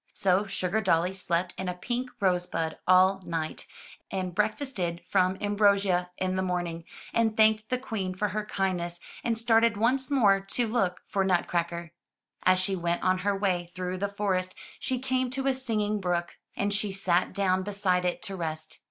So SugardoUy slept in a pink rosebud all night, and breakfasted from ambrosia in the morning, and thanked the Queen for her kindness and started once more to look for Nutcracker. 98 UP ONE PAIR OF STAIRS As she went on her way through the forest, she came to a singing brook, and she sat down beside it to rest.